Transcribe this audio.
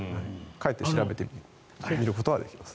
帰って調べてみることはできます。